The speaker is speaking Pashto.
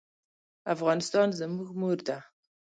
افغانستان زموږ مور ده.